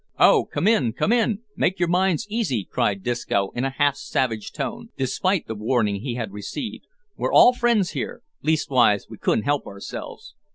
"Oh! come in, come in, make your minds easy," cried Disco, in a half savage tone, despite the warning he had received; "we're all friends here leastwise we can't help ourselves."